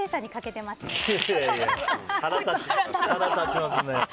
腹立ちますね。